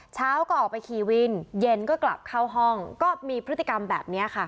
เช้าก็ออกไปขี่วินเย็นก็กลับเข้าห้องก็มีพฤติกรรมแบบนี้ค่ะ